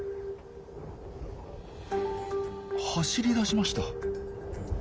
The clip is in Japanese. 走りだしました。